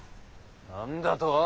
何だと！